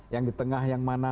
yang di tengah yang mana